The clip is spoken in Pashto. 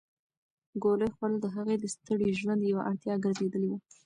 ګولۍ خوړل د هغې د ستړي ژوند یوه اړتیا ګرځېدلې وه.